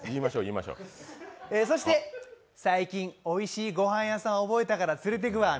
そして、最近、おいしいご飯屋さん覚えたから連れてくわ。